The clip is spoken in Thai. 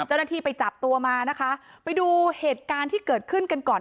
เจ้าหน้าที่ไปจับตัวมานะคะไปดูเหตุการณ์ที่เกิดขึ้นกันก่อน